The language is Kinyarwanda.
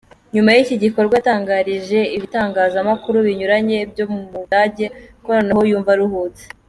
Nyuma y’iki gikorwa yatangarije ibitangazamakuru binyuranye byo mu budage ko noneho yumva aruhutse.